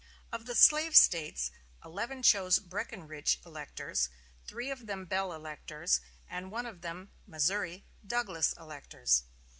Of the slave States, eleven chose Breckinridge electors, three of them Bell electors, and one of them Missouri Douglas electors.